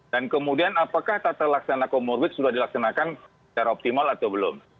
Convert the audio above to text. dan kemudian apakah tata laksana komorbid sudah dilaksanakan secara optimal atau belum